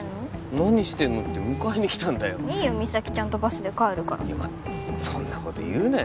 何してんのって迎えに来たんだよいいよ実咲ちゃんとバスで帰るからいやお前そんなこと言うなよ